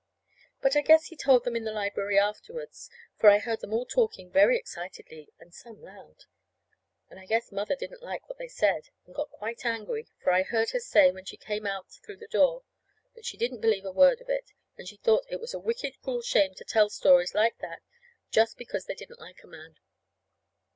But I guess he told them in the library afterwards, for I heard them all talking very excitedly, and some loud; and I guess Mother didn't like what they said, and got quite angry, for I heard her say, when she came out through the door, that she didn't believe a word of it, and she thought it was a wicked, cruel shame to tell stories like that just because they didn't like a man.